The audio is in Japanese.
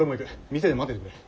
店で待っててくれ。